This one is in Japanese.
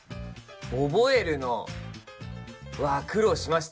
覚えるのは苦労しました。